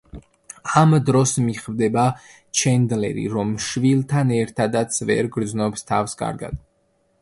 ამ დროს მიხვდება ჩენდლერი, რომ შვილთან ერთადაც ვერ გრძნობს თავს კარგად.